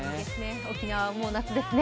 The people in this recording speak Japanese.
沖縄はもう夏ですね。